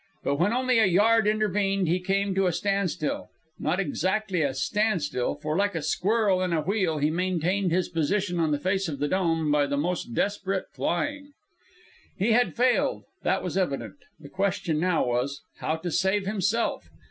But when only a yard intervened, he came to a standstill not exactly a standstill, for, like a squirrel in a wheel, he maintained his position on the face of the Dome by the most desperate clawing. He had failed, that was evident. The question now was, how to save himself.